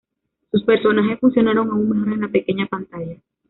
Sus personajes funcionaron aún mejor en la pequeña pantalla.